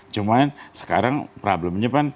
cuma sekarang problemnya kan